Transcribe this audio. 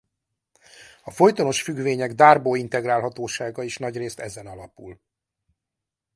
A folytonos függvények Darboux-integrálhatósága is nagyrészt ezen alapul.